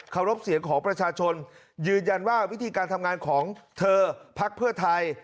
รบเสียงของประชาชนยืนยันว่าวิธีการทำงานของเธอพักเพื่อไทย